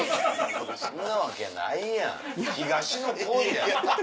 そんなわけないやん東野幸治やで。